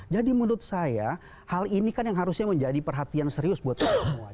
jadi menurut saya hal ini kan yang harusnya menjadi perhatian serius buat semua